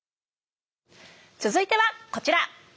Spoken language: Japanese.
続いてはこちら。